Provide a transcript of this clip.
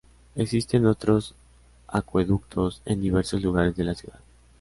Existen otros acueductos en diversos lugares de la ciudad.